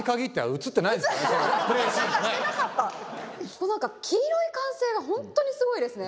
後半何か黄色い歓声がホントにすごいですね。